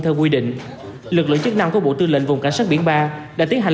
theo quy định lực lượng chức năng của bộ tư lệnh vùng cảnh sát biển ba đã tiến hành